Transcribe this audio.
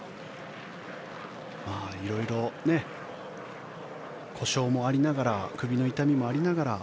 色々、故障もありながら首の痛みもありながら